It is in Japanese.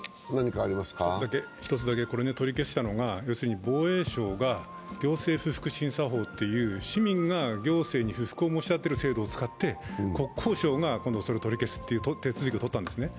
取り消したのが防衛省が行政不服審査法という市民が行政に不服を申し立てる制度を使って国交省が今度それを取り消すという手続きを取ったんですね。